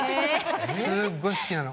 すっごい好きなの。